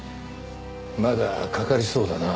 まだかかりそうだな。